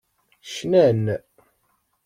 Cnan.